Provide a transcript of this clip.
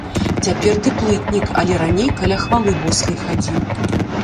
Цяпер ты плытнік, але раней каля хвалы боскай хадзіў.